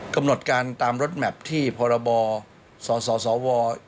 กำหนดการตามรถแมพที่พรบสสว